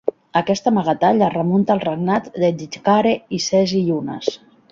Aquest amagatall es remunta als regnats de Djedkare Isesi i Unas.